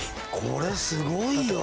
これすごいよ。